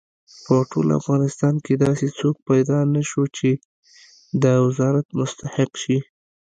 په ټول افغانستان کې داسې څوک پیدا نه شو چې د وزارت مستحق شي.